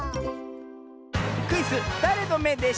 クイズ「だれのめでショー」